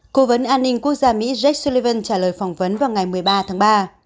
cố vấn an ninh quốc gia mỹ jake sullivan trả lời phỏng vấn vào ngày một mươi ba tháng ba